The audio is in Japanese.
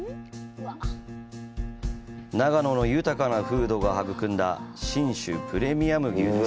長野の豊かな風土が育んだ信州プレミアム牛です。